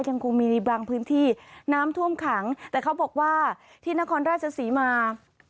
ยังคงมีในบางพื้นที่น้ำท่วมขังแต่เขาบอกว่าที่นครราชศรีมา